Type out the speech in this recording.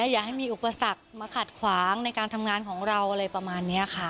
อย่าให้มีอุปสรรคมาขัดขวางในการทำงานของเราอะไรประมาณนี้ค่ะ